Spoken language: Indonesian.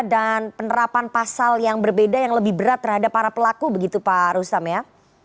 dan penerapan pasal yang berbeda yang lebih berat terhadap para pelaku begitu pak ruslam ya